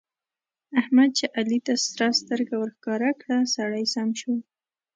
احمد چې علي ته سره سترګه ورښکاره کړه؛ سړی سم شو.